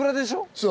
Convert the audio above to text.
そう。